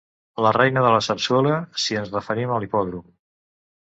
La reina de la Sarsuela, si ens referim a l'hipòdrom.